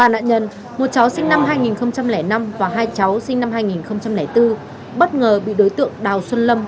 ba nạn nhân một cháu sinh năm hai nghìn năm và hai cháu sinh năm hai nghìn bốn bất ngờ bị đối tượng đào xuân lâm